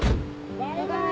バイバイ！